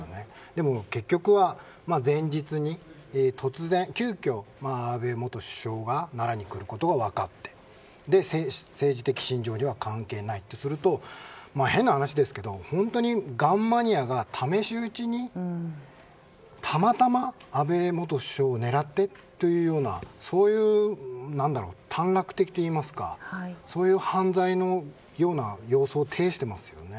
でも、結局は前日に急きょ、安倍元首相が奈良に来ることがわかって政治的信条とは関係ないとすると変な話ですが、ガンマニアが試し撃ちに、たまたま安倍元首相を狙ってというような短絡的といいますかそういう犯罪のような様相を呈してますよね。